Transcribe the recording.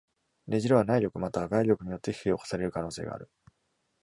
ねじれは、内力または外力によって引き起こされる可能性がある。